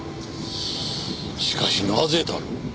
しかしなぜだろう？